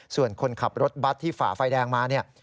ส่วนคนขับรถบัตรที่ฝ่าไฟแดงมาเนี่ย